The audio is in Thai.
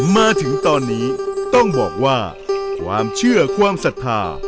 มาถึงตอนนี้ต้องบอกว่าความเชื่อความศรัทธา